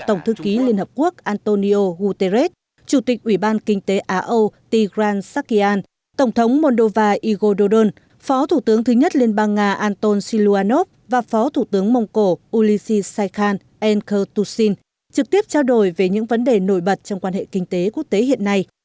tổng thư ký liên hợp quốc antonio guterres chủ tịch ủy ban kinh tế á âu tigran sakian tổng thống moldova igor dodon phó thủ tướng thứ nhất liên bang nga anton siluanov và phó thủ tướng mông cổ ulysi sai saikhan enkertusin trực tiếp trao đổi về những vấn đề nổi bật trong quan hệ kinh tế quốc tế hiện nay